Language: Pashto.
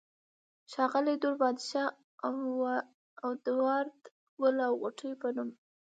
ښاغلي دور بادشاه ادوار د " ګل او غوټۍ" پۀ نوم